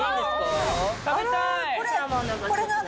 食べたーい。